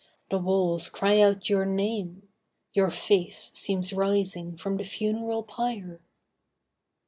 The walls cry out your name— Your face seems rising from the funeral pyre.